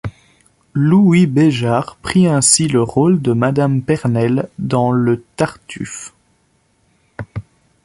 Louis Béjart prit ainsi le rôle de Madame Pernelle dans le Tartuffe.